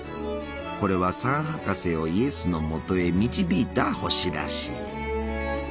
これは三博士をイエスのもとへ導いた星らしい。